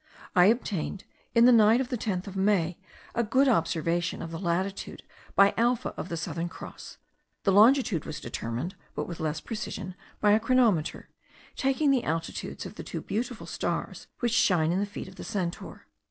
I obtained, in the night of the 10th of May, a good observation of latitude by alpha of the Southern Cross; the longitude was determined, but with less precision, by the chronometer, taking the altitudes of the two beautiful stars which shine in the feet of the Centaur.